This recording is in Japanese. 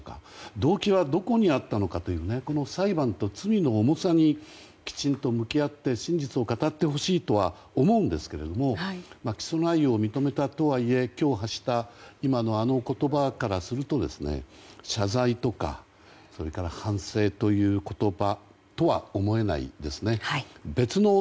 動機はどこにあったのかというこの裁判と罪の重さにきちんと向き合って真実を語ってほしいとは思うんですけれども起訴内容を認めたとはいえ今日発した今のあの言葉からすると謝罪とかそれから反省という言葉とは思えないですね。